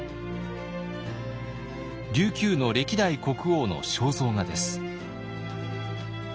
琉球の歴代国王の肖像画です。